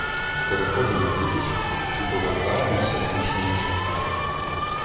Переходимо Тікич і повертаємося іншими шляхами.